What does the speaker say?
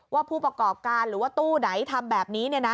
ผู้ประกอบการหรือว่าตู้ไหนทำแบบนี้